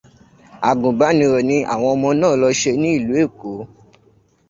Àgùnbánirọ̀ ni àwọn ọmọ náà lọ ṣe ní ìlú Èkó.